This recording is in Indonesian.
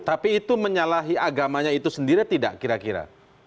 tapi itu menyalahi agamanya itu sendiri atau tidak kira kira